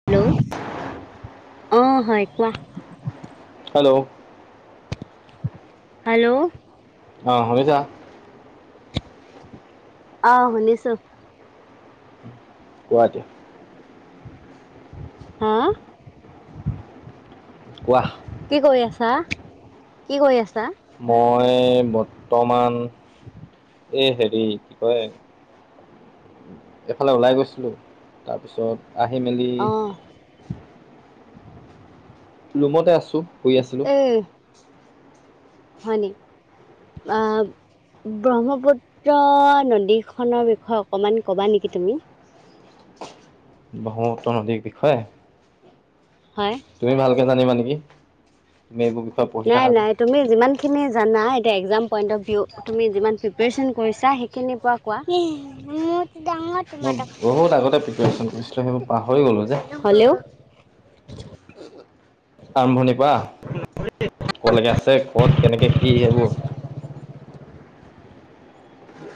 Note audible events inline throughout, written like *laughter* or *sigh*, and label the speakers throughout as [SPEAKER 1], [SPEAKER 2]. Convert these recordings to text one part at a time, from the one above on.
[SPEAKER 1] Hello, অঁ হয় কোৱা?
[SPEAKER 2] হেল্ল'।
[SPEAKER 1] হেল্ল'।
[SPEAKER 2] অ, শুনিছা?
[SPEAKER 1] অ, শুনিছো।
[SPEAKER 2] গুৱাহাটী
[SPEAKER 1] হা
[SPEAKER 2] কোৱাহ
[SPEAKER 1] কি কৰি আছা কি কৰি আছা
[SPEAKER 2] মই বৰ্তমান এ হেৰি কি কয় এফালে ওলাই গৈছিলো তাৰপিছত আহি মেলি
[SPEAKER 1] অঁ
[SPEAKER 2] ৰুমতে আছো শুই আছিলো
[SPEAKER 1] উম হয়নি ব্ৰহ্মপুত্ৰ নদীখনৰ বিষয়ে অকণমান ক'বা নেকি তুমি
[SPEAKER 2] ব্ৰহ্মপুত্ৰ নদীৰ বিষয়
[SPEAKER 1] হয়
[SPEAKER 2] তুমি ভালকৈ জানিবা নেকি তুমি এইবোৰ বিষয়ে পঢ়ি
[SPEAKER 1] নাই
[SPEAKER 2] থাকা যে
[SPEAKER 1] নাই তুমি যিমানখিনি জানা এতিয়া একজাম পইণ্ট অফ ভিউ তুমি যিমান প্ৰিপেৰেশ্যন কৰিছা সেইখিনিৰ পৰা কোৱা উ
[SPEAKER 2] মই বহুত আগতে প্ৰিপচন কৰিছিলো সেইবোৰ পাহৰি গলো যে
[SPEAKER 1] হ'লেও
[SPEAKER 2] আৰম্ভণিৰ পৰা কলৈকে আছে ক'ত কেনেকে কি এইেইবোৰ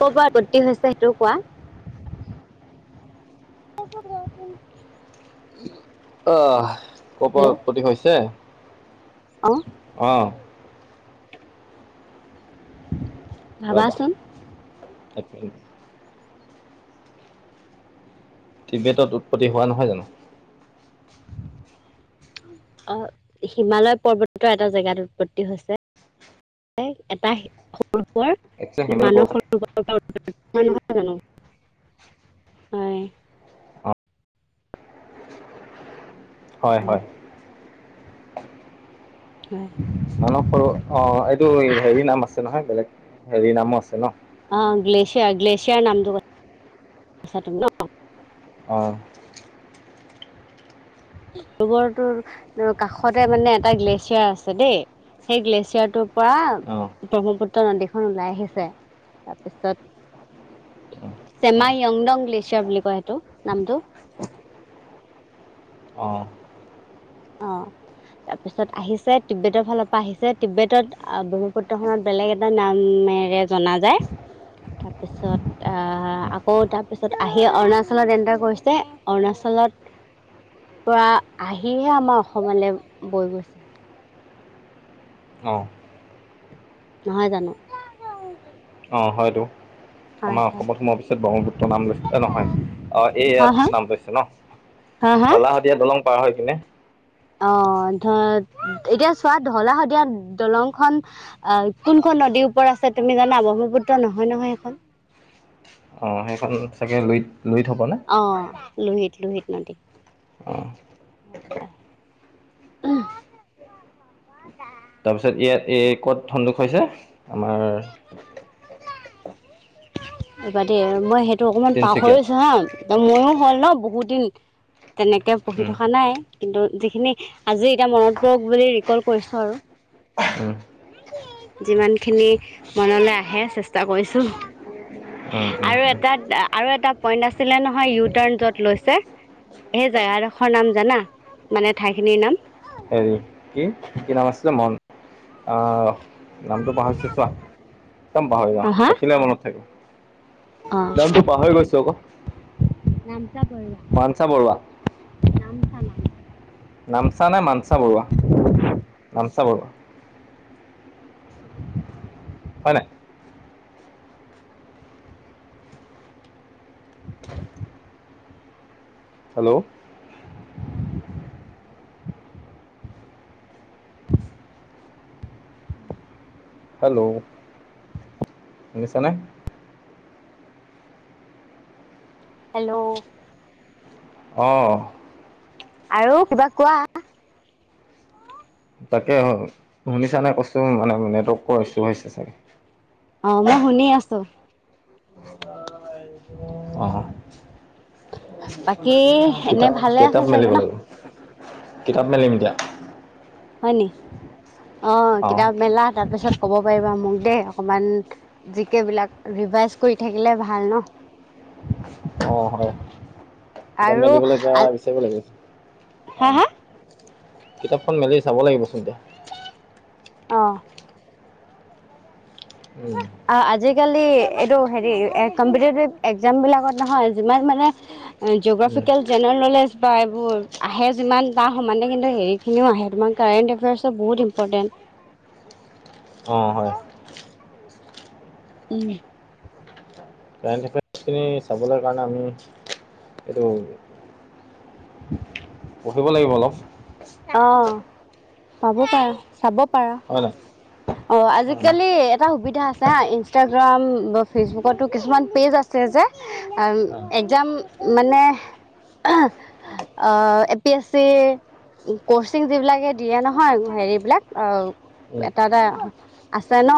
[SPEAKER 1] ক'ব প্ৰতিত্তি হৈছে সেইটোও কোৱা গ
[SPEAKER 2] আহ ক' পৰা
[SPEAKER 1] হেল্ল'
[SPEAKER 2] উৎপত্তি হৈছে
[SPEAKER 1] অঁ
[SPEAKER 2] আহ ৰ'বা
[SPEAKER 1] ভাবাচোন
[SPEAKER 2] টিবেটত উৎপ্তি হোৱা নহয় জানো
[SPEAKER 1] অ হিমালয় পৰ্বতৰ এটা জেগাত উৎপত্তি হৈছে এটা সৰুৰ
[SPEAKER 2] একচুৱেলি সেইবিলাক
[SPEAKER 1] মানস জানো হয়
[SPEAKER 2] হয় হয়
[SPEAKER 1] নাই
[SPEAKER 2] মানস সৰু অ এইটো হেৰি নাম আছে নহয় বেলেগ হেৰি নামো আছে ন
[SPEAKER 1] অ গ্লেছিয়াৰ গ্লেছিয়াৰ নামটো
[SPEAKER 2] অঁ
[SPEAKER 1] ৰবৰটো কাষতে মানে এটা গ্লেছিয়াৰ আছে দেই সেই গ্লেছিয়াৰটোৰ পৰা
[SPEAKER 2] অ
[SPEAKER 1] ব্ৰহ্মপুত্ৰ নদীখন ওলাই আহিছে তাৰপিছত চেমা য়ংডং গ্লেছিয়াৰ বুলি কয় সেইটো নামটো
[SPEAKER 2] অঁ
[SPEAKER 1] অ তাৰপিছত আহিছে টিউবেটৰ ফালৰ পৰা আহিছে টিউবেটত ব্ৰহ্মপুত্ৰখনত বেলেগ এটা নামেৰে জনা যায় তাৰপিছত আহ আকৌ তাৰপিছত আহি অৰুণাচলত এণ্টাৰ কৰিছে অৰুণাচলত পৰা আহিহে আমাৰ অসমলৈ বৈ গৈছে
[SPEAKER 2] অ
[SPEAKER 1] নহয় জানো
[SPEAKER 2] অ হয়তো
[SPEAKER 1] হয়
[SPEAKER 2] আমাৰ
[SPEAKER 1] হয়
[SPEAKER 2] অসমত সোমোৱাৰ পিছত ব্ৰহ্মপুত্ৰ নাম লৈছে নহয় আহ এই
[SPEAKER 1] হা হা
[SPEAKER 2] ইয়াত নাম লৈছে ন
[SPEAKER 1] হা হা
[SPEAKER 2] এতিয়া দলং পাৰ হয় কিনে
[SPEAKER 1] অ ধৰ এতিয়া চোৱা ধঢলা শদিয়া দলংখন অ কোনখন নদীৰ ওপৰত আছে তুমি জানা ব্ৰহ্মপুত্ৰ নহয় নহয় সেইখন
[SPEAKER 2] অঁ সেইখন চাগে লৈ
[SPEAKER 1] অ লোহিত লোহিত নদীত
[SPEAKER 2] অ
[SPEAKER 1] হয় হয়
[SPEAKER 2] তাৰপিছত ইয়াত এই ক'ত সন্দোষ হৈছে আমাৰ
[SPEAKER 1] ৰবা দেই আৰু মই সেইটো অকমান
[SPEAKER 2] তিনিচুকীয়াত
[SPEAKER 1] পাহৰিছো হা। ময়ো হ'ল ন বহুত দিন তেনেকৈ পঢ়ি
[SPEAKER 2] উম
[SPEAKER 1] থকা নাই। কিন্তু যিখিনি আজি এতিয়া মনত পৰক বুলি ৰিকল কৰিছো আৰু।
[SPEAKER 2] উম
[SPEAKER 1] যিমান খিনি মনলৈ আহে চেষ্টা কৰিছো।
[SPEAKER 2] উম উম
[SPEAKER 1] আৰু এটা আৰু এটা পইণ্ট আছিলে নহয় ইউ টাৰ্ণ যত লৈছে। সেই জেগাডোখৰ নাম জানা মানে ঠাইখিনিৰ নাম?
[SPEAKER 2] হেৰী কি নাম আছিলে মন আহ নামটো পাহৰিছো চোৱা। একদম পাহৰি
[SPEAKER 1] হা
[SPEAKER 2] যাওঁ
[SPEAKER 1] হা
[SPEAKER 2] দেখিলে মনত থাকিব
[SPEAKER 1] অ',
[SPEAKER 2] নামটো পাহৰি গৈছো আকৌ
[SPEAKER 1] নাম *unintelligible*
[SPEAKER 2] মানসা বৰুৱা।
[SPEAKER 1] নাম চা নাম চা।
[SPEAKER 2] নামচা নে মানচা বৰুৱা নামচা বৰুৱা। হয় নাই। হেল্ল'? হেল্ল'? শুনিছা নে?
[SPEAKER 1] হেল্ল'?
[SPEAKER 2] অ'।
[SPEAKER 1] আৰু কিবা কোৱা।
[SPEAKER 2] তাকে শুনিছা নে কৈছো মানে নেটৱৰ্কৰ ইছ্যু হৈছে চাগে।
[SPEAKER 1] অ', মই শুনি আছো।
[SPEAKER 2] অ'।
[SPEAKER 1] বাকী এনে
[SPEAKER 2] কিতাপ
[SPEAKER 1] ভালে আছে
[SPEAKER 2] কিতাপ
[SPEAKER 1] চাগে
[SPEAKER 2] মেলিব
[SPEAKER 1] ন?
[SPEAKER 2] লাগিব কিতাপ মেলিম এতিয়া।
[SPEAKER 1] হয় নি অ', কিতাপ মেলা তাৰপিছত কব পাৰিবা মোক দেই অকমান জি কে বিলাক ৰিভাইজ কৰি থাকিলে ভাল ন।
[SPEAKER 2] অ', হয় কিতাপ
[SPEAKER 1] আৰু
[SPEAKER 2] মেলিবলৈ এতিয়া বিচাৰিব লাগি
[SPEAKER 1] হা
[SPEAKER 2] অ'।
[SPEAKER 1] হা
[SPEAKER 2] কিতাপখন মেলি চাব লাগিবচোন এতিয়া।
[SPEAKER 1] অঁ'।
[SPEAKER 2] উম।
[SPEAKER 1] অ', আজিকালি এইটো হেৰি কম্পিটিটিভ এক্জাম বিলাকত নহয় যিমান মানে জিঅ'গ্ৰফিকেল জেনেৰেল নলেজ বা এইবোৰ আহে যিমান তাৰ সমানে কিন্তু হেৰি সিনিও আহে কাৰেণ্ট এফেয়াৰ্চ বহুত ই্পৰ্টেণ্ট।
[SPEAKER 2] অ', হয়।
[SPEAKER 1] উম।
[SPEAKER 2] কাৰেণ্ট এফেয়াৰ্চখিনি চাবলৈ কাৰণে আমি এইটো পঢ়িব লাগিব অলপ।
[SPEAKER 1] অ', পাব পৰা চাব পাৰা
[SPEAKER 2] হয় নাই
[SPEAKER 1] অ',
[SPEAKER 2] অঁ
[SPEAKER 1] আজিকালি এটা সুবিধা আছে ইনষ্টাগ্ৰাম বা ফেচবুকতো কিছুমান পেজ আছে যে আহ
[SPEAKER 2] অঁ
[SPEAKER 1] একগ্জাম মানে অ A P S C coaching যিবিলাকে দিয়ে নহয় হেৰিবলাক অ' এটা এটা আছে ন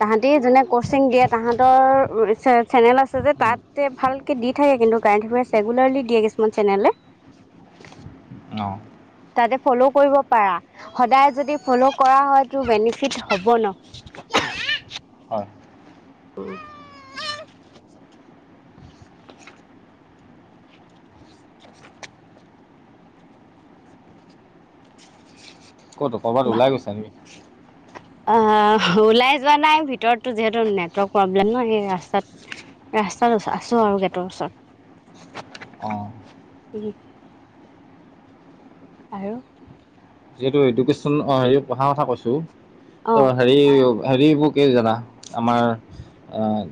[SPEAKER 1] তাহাঁতি যোনে কচিং দিয়ে তাহাঁতৰ চেনেল আছে যে
[SPEAKER 2] উম
[SPEAKER 1] তাত ভালকে দি থাকে কিন্তু কাৰেণ্ট এফেয়াৰছ ৰেগুলাৰলি দিয়ে কিছুমান চেনেলে।
[SPEAKER 2] উম অঁ
[SPEAKER 1] তাতে ফ'ল' কৰিব পাৰা। সদায় যদি ফ'ল' কৰা হয়তটো বেনিফিট হ'ব ন।
[SPEAKER 2] হয়
[SPEAKER 1] অ'।
[SPEAKER 2] ক'ত ক'বাত ওলাই গৈছা নেকি?
[SPEAKER 1] আহ ওলাই যোৱা নাই ভিতৰতো যিহেতু নেটৱৰ্ক প্ৰব্লেম ন সে ৰাস্তাত ৰাস্তাটো আছোঁ আৰু গেটৰ ওচৰত।
[SPEAKER 2] অ'।
[SPEAKER 1] আৰু?
[SPEAKER 2] যিহেতু এডুকেছন হেৰি পঢ়া কথা কৈছো,
[SPEAKER 1] অ
[SPEAKER 2] ত' হেৰি হেৰিবোৰ কি জানা আমাৰ আহ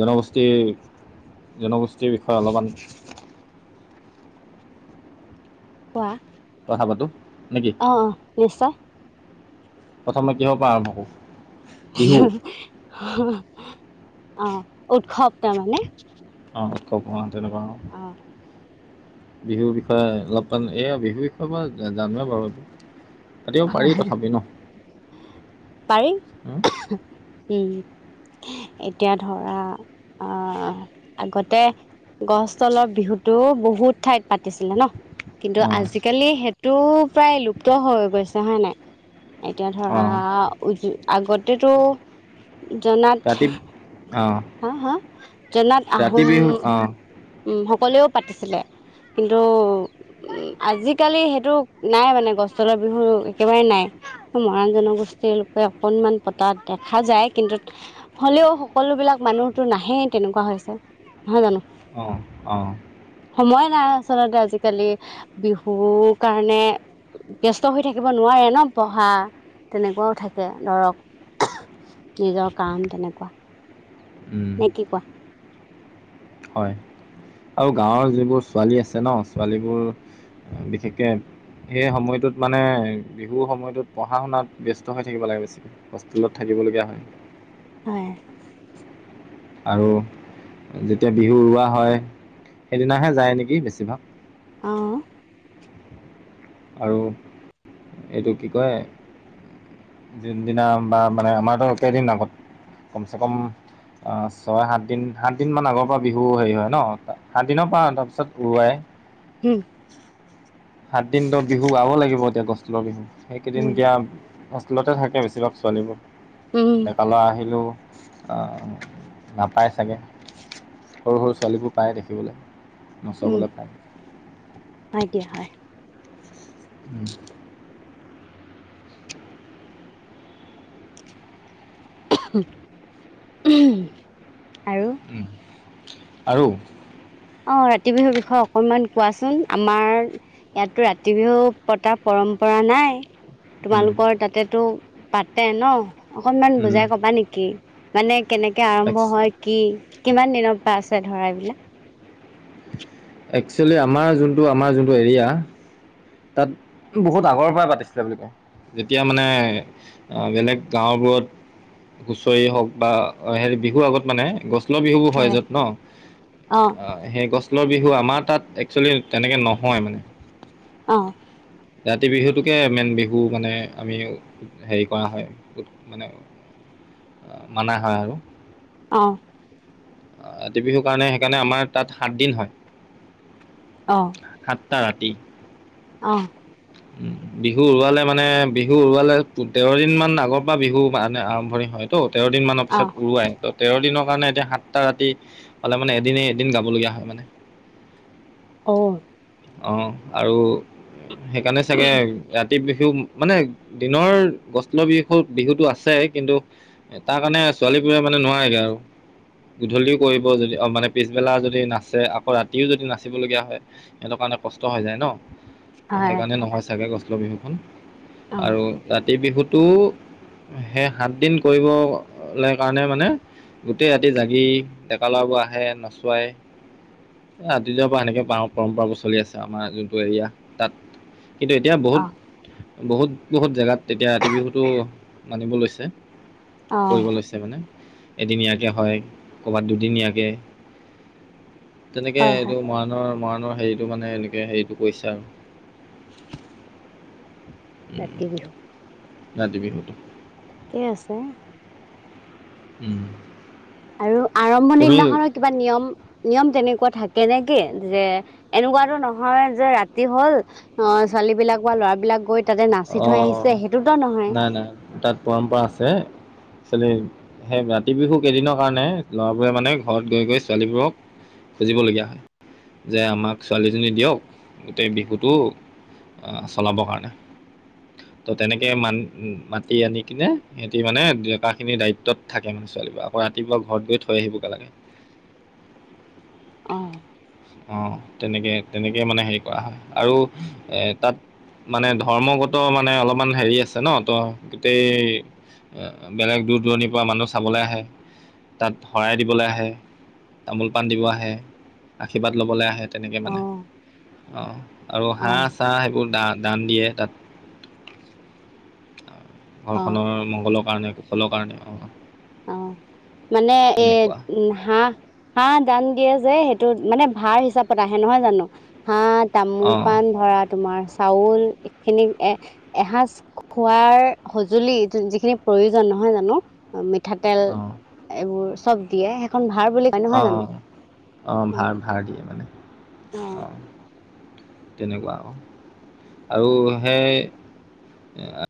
[SPEAKER 2] জনগোষ্ঠীৰ, জনগোষ্ঠীৰ বিষয়ে অলপমান
[SPEAKER 1] কোৱা।
[SPEAKER 2] কথা পাতো নেকি?
[SPEAKER 1] অ', অ', নিশ্চয়।
[SPEAKER 2] প্ৰথমে কিহৰ পৰা আৰম্ভ কৰো?
[SPEAKER 1] অ' উৎসৱ তাৰমানে।
[SPEAKER 2] অ' উৎসৱ অ' তেনেকুৱা। অঁ
[SPEAKER 1] অহ।
[SPEAKER 2] বিহুৰ বিষয়ে অলপমন এইয়া বিহুৰ বিষয়ে মই জানোৱে বাৰু। পাতিব পাৰি
[SPEAKER 1] হয়,
[SPEAKER 2] তথাপি ন
[SPEAKER 1] পাৰি,
[SPEAKER 2] অঁ
[SPEAKER 1] উম। এতিয়া ধৰা আ আগতে গছ তলৰ বিহুতো বহুত ঠাইত পাতিছিলে ন'। কিন্তু আজিকালি সেইটো প্ৰায় লুপ্ত হৈ গৈছে হয় নাই? এতিয়া
[SPEAKER 2] অঁ
[SPEAKER 1] ধৰা আগতেতো জনাত
[SPEAKER 2] অ'।
[SPEAKER 1] হা হা, জনাত আহোম
[SPEAKER 2] অঁ
[SPEAKER 1] উ সকলোৱেও পাতিছিলে। কিন্তু উ আজিকালি সেইটো নাই মানে গছতলৰ বিহু একেবাৰে নাই। মহৰাণ জনগোষ্ঠীৰ লোকে অকনমান পতা দেখা যায় কিন্তু হলেও সকলোবিলাক মানুহতো নাহেই তেনেকুৱা হৈছে, নহয় জানো?
[SPEAKER 2] অঁ অঁ
[SPEAKER 1] সময় নাই আচলতে আজিকালি বিহু কাৰণে। ব্যস্ত হৈ থাকিব নোৱাৰে ন পঢ়া তেনেকুৱাও থাকে ধৰক। নিজৰ কাম তেনেকুৱা।
[SPEAKER 2] উম,
[SPEAKER 1] নে কি কোৱা?
[SPEAKER 2] হয় আৰু গাঁৱৰ যিবোৰ ছোৱালী আছে ন ছোৱালীবোৰ বিশেষকে সেই সমইটোত মানে বিহুৰ সময়টোত পঢ়া শুনাত ব্যস্ত হৈ থাকিব লাগে বেছিকে। হোষ্টেলত থাকিবলগীয়া হয়।
[SPEAKER 1] হয়।
[SPEAKER 2] আৰু যেতিয়া বিহু উৰুৱোৱা হয় সেইদিনাহে যায় নেকি বেছিভাগ।
[SPEAKER 1] অ'।
[SPEAKER 2] আৰু এইটো কি কয় যোনদিনা বা মানে আমাৰতো একেই দিম আগত কমচে কম অ' ছয় সাতদিন সাতদিনমান আগৰ পৰা বিহু হেৰি হয় ন সাতদিনৰ পৰা তাৰপিছত উৰুৱাই।
[SPEAKER 1] হুম।
[SPEAKER 2] সাত দিন ত বিহু উআব লাগিব এতিয়া গছতলৰ বিহু সেইকেইদিন এতিয়া হোষ্টেলতে থাকে বেছিভাগ ছোৱালীবোৰ, ডেকা ল'ৰা আহিলোঁ অহ নাপায় চাগে, সৰু সৰু ছোৱালীবোৰ পায় দেখিবলৈ। নচবলৈ পায়।
[SPEAKER 1] হয় দিয়া হয়।
[SPEAKER 2] উম।
[SPEAKER 1] আৰু?
[SPEAKER 2] উম। আৰু।
[SPEAKER 1] অহ, ৰাতি বিহুৰ বিষয়ে অকণমান কোৱাচোন আমাৰ ইয়াতো ৰাতি বিহু পতা পৰম্পৰা নাই। তোমালোকৰ তাতেতো পাতে ন' অকনমান বুজাই কবা নেকি? মানে কেনেকে আৰম্ভ হয় কি, কিমান দিনৰ পৰা আছে ধৰা এইবিলাক?
[SPEAKER 2] একচুৱেলি আমাৰ যোনটো, আমাৰ যোনটো এৰিয়া। তাত বহুত আগৰ পৰাই পাতিছিলে বুলি কয়। যেতিয়া মানে বেলেগ গাঁওবোৰত হুচৰি হওঁক বা হেৰি বিহু আগত মানে গছ *unintelligible* বিহুয়ো হয় য'ত
[SPEAKER 1] অঁ
[SPEAKER 2] ন'। অ সেই গছল বিহু আমাৰ তাত একচুৱেলি তেনেকে নহয় মানে।
[SPEAKER 1] অহ।
[SPEAKER 2] ৰাতি বিহুটোকে মেইন বিহু মানে আমি হেৰি কৰা হয় বহুত মানে, মানা হয় আৰু।
[SPEAKER 1] অহ।
[SPEAKER 2] ৰাতি বিহুৰ কাৰণে সেইকাৰণে আমাৰ তাত সাত দিন হয়।
[SPEAKER 1] অহ।
[SPEAKER 2] সাতটা ৰাতি।
[SPEAKER 1] অহ।
[SPEAKER 2] উম। বিহু উৰুৱালে মানে, বিহু উৰুৱালে তেৰদিন মান আগৰ পৰা বিহুা মানে আৰম্ভণি হয়। ত' তেৰ দিনমানৰ
[SPEAKER 1] অঁ অঁ
[SPEAKER 2] পিছত উৰুৱাই, ত' তেৰদিনৰ কাৰণে এতিয়া সাত সাতটা ৰাতি পালে মানে, এদিন-এদিন গাবলগীয়া হয় মানে।
[SPEAKER 1] অহ।
[SPEAKER 2] অহ, আৰু সেইকাৰণে চাগে ৰাতি বিহু মানে দিনৰ গছল বিহু-বিহুতো আছে কিন্তু তাৰ কাৰণে ছোৱালীবোৰে মানে নোৱাৰেগে আৰু। গধূলিও কৰিব যদি অহ, মানে পিছবেলা যদি নাচে আকৌ ৰাতিও যদি নাচিবলগীয়া হয়। সেইটোৰ কাৰণে কষ্ট হৈ যায় ন'। ত'
[SPEAKER 1] হয়
[SPEAKER 2] সেইকাৰণে নহয় চাগে গছলৰ বিহুখন
[SPEAKER 1] অঁ
[SPEAKER 2] আৰু ৰাতি বিহুতটো সেই সাত দিন কৰিবলৈ কাৰণে মানে গোটেই ৰাতি জাগি ডেকা ল'ৰাবোৰ আহে নচোৱাই। ৰাতি যাৰ পৰা সেনেকে পৰম্পৰাবোৰ চলি আছে আমাৰ যোনটো এৰিয়া তাত। কিন্তু এতিয়া বহুত
[SPEAKER 1] অঁ
[SPEAKER 2] বহুত-বহুত জেগাত তেতিয়া ৰাতি বিহুতটো মানিব লৈছে,
[SPEAKER 1] অঁ
[SPEAKER 2] কৰিব লৈছে। মানে এদিনিয়াকে হয়। কৰ'বাত দুদিনীয়াকে, তেনেকে
[SPEAKER 1] হয় হয়
[SPEAKER 2] এইটো মৰাণৰ-মৰাণৰ হেৰি সেইটো মানে এনেকৈ হেৰিটো কৰিছে আৰু। উম,
[SPEAKER 1] ৰাতি বিহু
[SPEAKER 2] ৰাতি বিহুতো।
[SPEAKER 1] ঠিকে আছে।
[SPEAKER 2] উম।
[SPEAKER 1] আৰু আৰম্ভ
[SPEAKER 2] তুমি
[SPEAKER 1] নিদিনাখন কিবা নিয়ম-নিয়ম তেনেকুৱা থাকে নেকি? যে এনেকুৱাতো নহয় যে ৰাতি হ'ল অহ, ছোৱালীবিলাক বা ল'ৰাবলাক গৈ তাতে নাচি থৈ
[SPEAKER 2] অ'
[SPEAKER 1] আহিছে সেইটোতো নহয়।
[SPEAKER 2] নাই নাই তাত পৰম্পৰা আছে। ছোৱালী, সেই ৰাতি বিহু কেইদিনৰ কাৰণে ল'ৰাবোৰে মানে ঘৰত গৈ গৈ ছোৱালীবোৰক খুজিবলগীয়া হয়। যে আমাক ছোৱালীজনী দিয়ক গোটেই বিহুটো অহ, চলাবৰ কাৰণে। ত' তেনেকে মান-মাতি আনি কিনে সিহঁতি মানে ডেকা খিনিৰ দায়িত্বত থাকে মানে ছোৱালীব আকৌ ৰাতিপুৱা ঘৰত গৈ থৈ আহিবগে লাগে।
[SPEAKER 1] অ'
[SPEAKER 2] অ' তেনেকে তেনেকেই মানে হেৰি কৰা হয় আৰু এ তাত মানে ধৰ্মগত মানে অলপমান হেৰি আছে ন ত গোটেই বেলেগ দূৰ দূৰণিৰ পৰা মানুহ চাবলৈ আহে। তাত শৰাই দিবলৈ আহে তামোল পাণ দিব আহে। আশীৰ্বাদ ল'বলৈ আহে তেনেকে
[SPEAKER 1] অ
[SPEAKER 2] মানে অ আৰু
[SPEAKER 1] অ
[SPEAKER 2] হাঁহ চাহ সেইবোৰ দান দিয়ে তাত। ঘৰখনৰ
[SPEAKER 1] অ
[SPEAKER 2] মংগলৰ কাৰণে কুশলৰ কাৰণে অ'
[SPEAKER 1] অ', মানে এ হাহ হাঁহ দান দিয়ে যে সেইটো মানে ভাৰ হিচাপত আহে নহয় জানো হাঁহ তামোল
[SPEAKER 2] অঁ
[SPEAKER 1] পাণ ধৰা তোমাৰ চাউল এইখিনি এ এসাঁজ খোৱাৰ সজুলি যিখিনি প্ৰয়োজন নহয় জানো তেল
[SPEAKER 2] অঁ
[SPEAKER 1] এইবোৰ চব দিয়ে সেইখন ভাৰ বুলি। কয় নহয় জানো
[SPEAKER 2] অ', অ', অ', ভাৰ ভাৰ দিয়ে মানে
[SPEAKER 1] অঁ
[SPEAKER 2] অ' তেনেকুৱা আৰু আৰু সেই